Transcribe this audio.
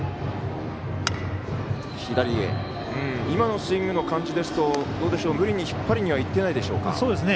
今のスイングの感じですと無理に引っ張りにはいってないでしょうか。